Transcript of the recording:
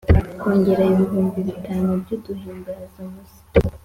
kongera ibihumbi bitanu by’uduhimbazamusyi